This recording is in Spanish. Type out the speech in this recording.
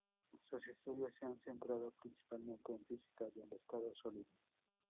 Sus estudios se han centrado principalmente en Física del Estado Sólido.